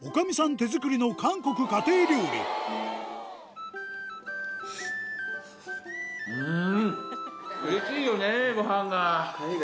手作りの韓国家庭料理うん！